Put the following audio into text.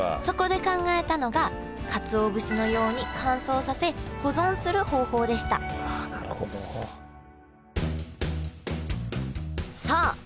そこで考えたのがかつお節のように乾燥させ保存する方法でしたさあ